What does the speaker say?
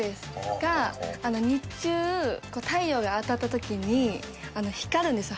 が日中太陽が当たった時に光るんですよ